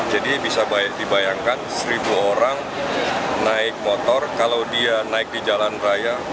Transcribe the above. jadi bisa dibayangkan satu orang naik motor kalau dia naik di jalan raya